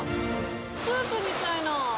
スープみたいな。